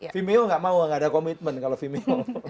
vimeo gak mau gak ada komitmen kalau vimeo